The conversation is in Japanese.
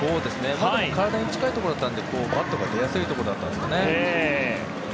でも体に近いところだったのでバットが出やすいところだったんですかね。